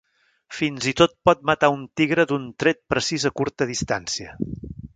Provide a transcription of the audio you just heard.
Fins i tot pot matar a un tigre d'un tret precís a curta distància.